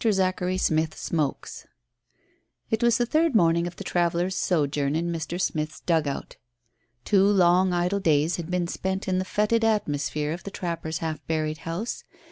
ZACHARY SMITH SMOKES It was the third morning of the travellers' sojourn in Mr. Smith's dugout. Two long idle days had been spent in the foetid atmosphere of the trapper's half buried house.